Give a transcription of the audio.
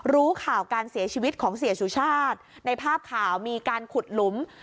รู้ข่าวการเสียชีวิตของเสียสุชาติในภาพข่าวมีการขุดหลุม